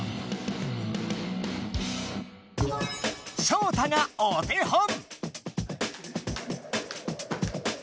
ショウタがお手本。